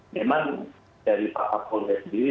memang dari pak polda sendiri